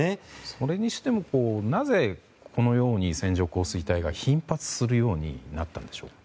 それにしてもなぜこのように線状降水帯が頻発するようになったのでしょうか。